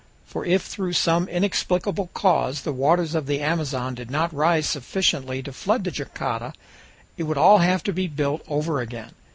For if through some inexplicable cause the waters of the Amazon did not rise sufficiently to flood the jangada, it would all have to be built over again.